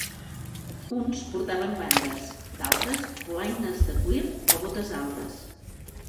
Uns portaven bandes, d'altres polaines de cuir o botes altes.